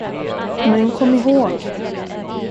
Men kom ihåg!